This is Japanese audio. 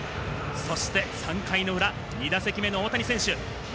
そして３回の裏、２打席目の大谷選手。